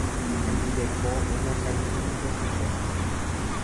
Hembireko oñakãitýnte chupe.